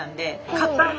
勝った？